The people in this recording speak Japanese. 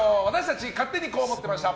勝手にこう思ってました！